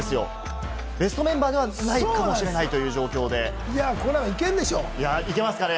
ベストメンバーではないかもしれないという状況でいけますかね？